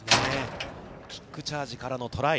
キックチャージからのトライ。